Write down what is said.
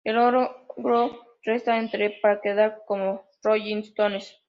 El logo resta el "The" para quedar como "Rolling Stones".